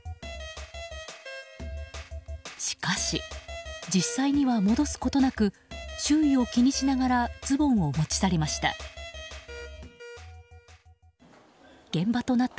しかし、実際には戻すことなく周囲を気にしながらズボンを持ち去りました。